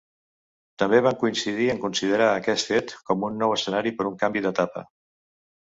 També van coincidir en considerar aquest fet com un nou escenari per un canvi d'etapa.